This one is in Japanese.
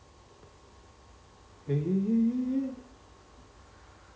え？